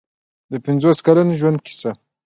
د پنځوس کلن ژوند کیسه.